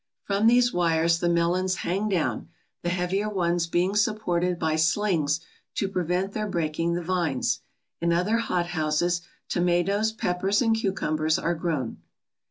From these wires the melons hang down, the heavier ones being supported by slings to prevent their breaking the vines. In other hothouses tomatoes, peppers, and cucumbers are grown.